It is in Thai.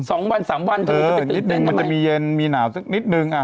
สองวันสามวันมันจะมีเย็นมีหน่าวนิดนึง